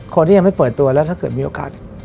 คนที่ยังไม่เปิดตัวแล้วถ้าเกิดมีโอกาส